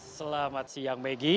selamat siang begi